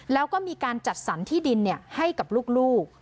แล้วก็มีการจัดสรรที่ดินให้กับลูก